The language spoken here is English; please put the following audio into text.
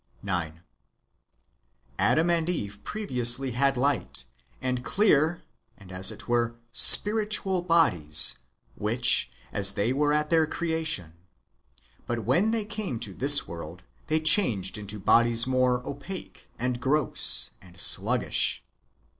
9. Adam and Eve previously had light, and clear, and as it were spiritual bodies, such as they were at their creation ; but when they came to this world, these changed into bodies more opaque, and gross, and sluggish.